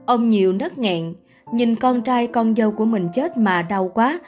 ông nhiều nứt nghẹn nhìn con trai con dâu của mình chết mà đau quá